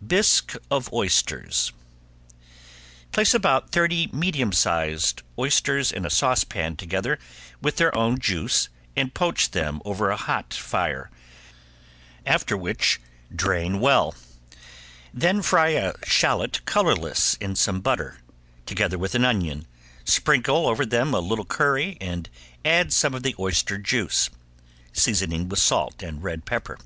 ~BISQUE OF OYSTERS~ Place about thirty medium sized oysters in a saucepan together with their own juice and poach them over a hot fire, after which drain well; then fry a shallot colorless in some butter, together with an onion, sprinkle over them a little curry and add some of the oyster juice, seasoning with salt and red pepper.